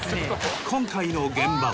今回の現場。